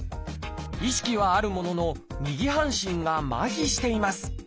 意識はあるものの右半身がまひしています。